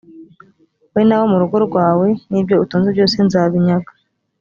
wowe n abo mu rugo rwawe n ibyo utunze byose nzabinyaga